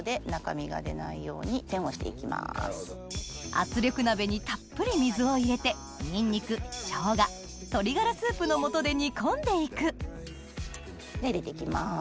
圧力鍋にたっぷり水を入れてニンニク生姜鶏ガラスープの素で煮込んで行く入れて行きます